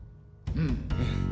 うん。